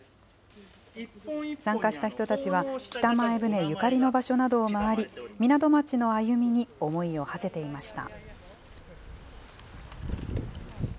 参加した人たちは、北前船ゆかりの場所などを回り、港町の歩みに思いをはせていました。